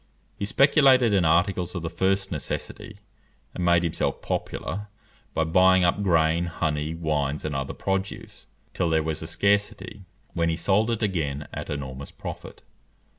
He speculated in articles of the first necessity, and made himself popular by buying up grain, honey, wines, and other produce, till there was a scarcity, when he sold it again at enormous profit.